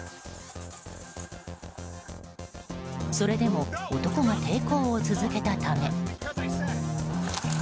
それでも男が抵抗を続けたため。